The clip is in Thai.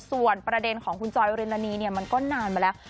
ส่วนประเด็นของคุณจอยรินานีเนี่ยมันก็นานมาแล้ว